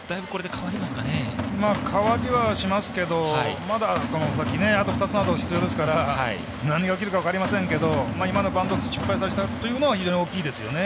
変わりはしますけどまだ、この先あと２つアウト必要ですから何が起きるか分かりませんけど今のバント失敗させたことは非常に大きいですね。